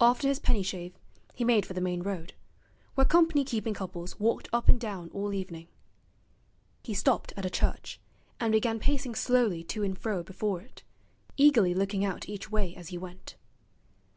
After his penny shave he made for the main road, where company keeping couples walked up and down all evening. He stopped at a church, and began pacing slowly to and fro before it, eagerly looking out each way as he went.